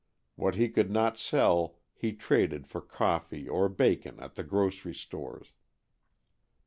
What he could not sell he traded for coffee or bacon at the grocery stores.